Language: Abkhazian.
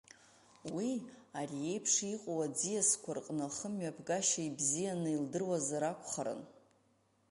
Уи, ари еиԥш иҟоу аӡиасқәа рҟны ахымҩаԥгашьа ибзианы илдыруазар акәхарын.